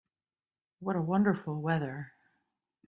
What a wonderful weather!